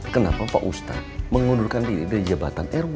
kenapa pak ustadz mengundurkan diri dari jabatan rw